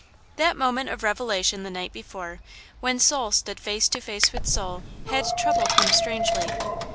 That moment of revelation the night before, when soul stood face to face with soul, had troubled him strangely.